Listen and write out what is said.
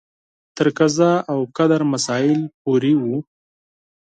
تر قضا او قدر مسایلو پورې و.